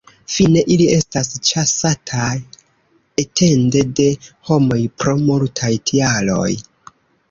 Fine ili estas ĉasataj etende de homoj pro multaj tialoj.